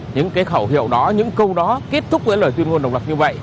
những cái khẩu hiệu đó những câu đó kết thúc với lời tuyên ngôn độc lập như vậy